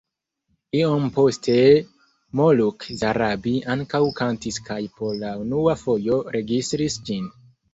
Iom poste Moluk Zarabi ankaŭ kantis kaj por la unua fojo registris ĝin.